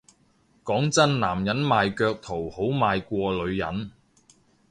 講真男人賣腳圖實好賣過女人